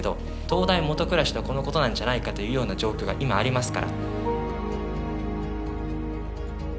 灯台下暗しというのはこのことなんじゃないかというような状況が今ありますから。